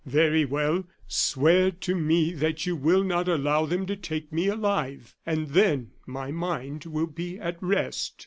Very well, swear to me that you will not allow them to take me alive, and then my mind will be at rest."